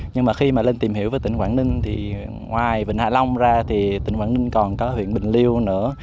nhưng mà khi mà lên tìm hiểu về tỉnh quảng ninh thì ngoài vịnh hạ long ra thì tỉnh quảng ninh còn có huyện bình liêu nữa